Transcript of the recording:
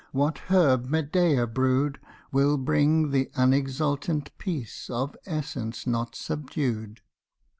what herb Medea brewed Will bring the unexultant peace of essence not subdued?